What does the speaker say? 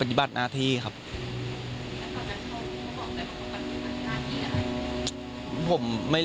รถแสงทางหน้า